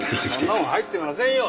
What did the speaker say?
そんなもん入ってませんよ。